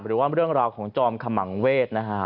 หรือว่าเรื่องราวของจอมขมังเวศนะฮะ